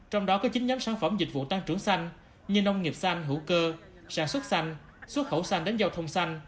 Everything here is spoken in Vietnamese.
trong đó có chín nhóm sản phẩm dịch vụ tăng trưởng xanh như nông nghiệp xanh hữu cơ sản xuất xanh xuất khẩu xanh đến giao thông xanh